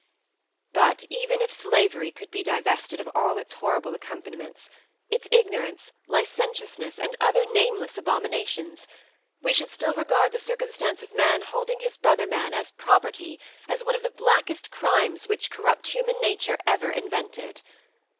But even if slavery could be divested of all its horrible accompaniments, its ignorance, licentiousness, and other nameless abominations, we should still regard the circumstance of man holding his brother man as property as one of the blackest crimes which corrupt human nature ever invented.